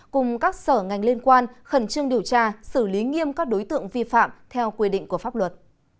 cùng các sở ngành liên quan khẩn trương điều tra xử lý nghiêm các đối tượng vi phạm theo quy định của pháp luật